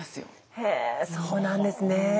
へえそうなんですね。